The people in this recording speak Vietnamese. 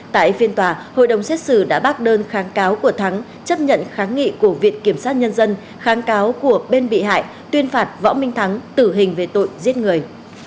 tại phiên tòa hội đồng xét xử đã bác đơn kháng cáo của thắng chấp nhận kháng nghị của viện kiểm sát nhân dân kháng cáo của bên bị hại tuyên phạt võ minh thắng tử hình về tội giết người